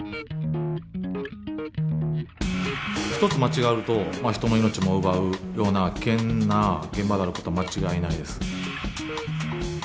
一つ間違えると人の命も奪うような危険な現場であることは間違いないです。